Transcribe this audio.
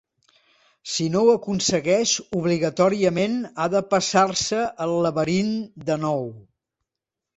Si no ho aconsegueix, obligatòriament, ha de passar-se el laberint de nou.